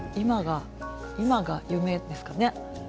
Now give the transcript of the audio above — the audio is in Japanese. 今が夢ですかね。